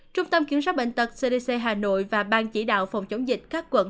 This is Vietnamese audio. trung tâm kiểm soát bệnh tật cdc hà nội và ban chỉ đạo phòng chống dịch các quận